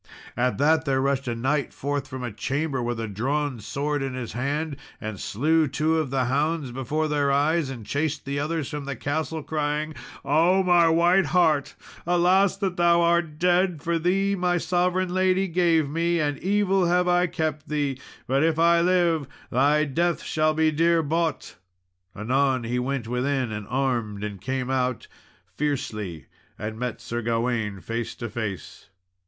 At that there rushed a knight forth from a chamber, with a drawn sword in his hand, and slew two of the hounds before their eyes, and chased the others from the castle, crying, "Oh, my white hart! alas, that thou art dead! for thee my sovereign lady gave to me, and evil have I kept thee; but if I live, thy death shall be dear bought." Anon he went within and armed, and came out fiercely, and met Sir Gawain face to face.